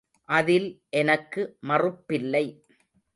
அதில் எனக்கு மறுப்பில்லை.